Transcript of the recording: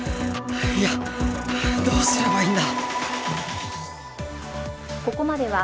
いやどうすればいいんだ！？